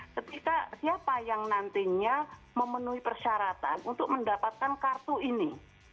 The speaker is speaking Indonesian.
ketika siapa yang nantinya memenuhi persyaratan untuk mendapatkan kartu ini